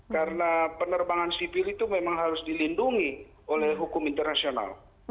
karena penerbangan sipil itu memang harus dilindungi oleh hukum internasional